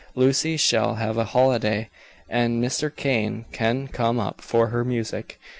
Lucy shall have a holiday, and Mr. Kane can come up for her music.